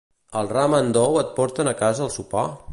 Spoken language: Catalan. Al Ramen Dou et porten a casa el sopar?